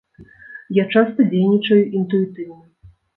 Я часта дзейнічаю інтуітыўна.